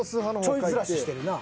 ちょいずらししてるな。